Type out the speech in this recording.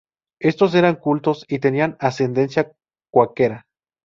Estos eran cultos y tenían ascendencia cuáquera.